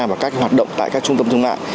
và các hoạt động tại các trung tâm thương mại